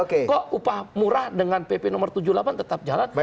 kok upah murah dengan pp no tujuh puluh delapan tetap jalan